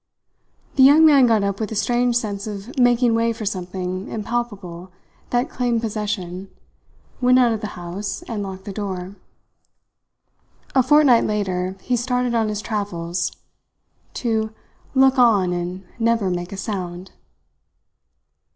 The young man got up with a strange sense of making way for something impalpable that claimed possession, went out of the house, and locked the door. A fortnight later he started on his travels to "look on and never make a sound."